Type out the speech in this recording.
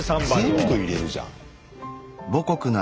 全部入れるじゃん。